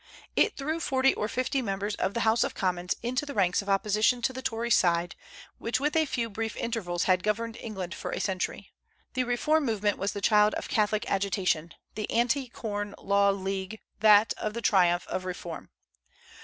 It threw forty or fifty members of the House of Commons into the ranks of opposition to the Tory side, which with a few brief intervals had governed England for a century. "The reform movement was the child of Catholic agitation; the anti corn law league that of the triumph of reform."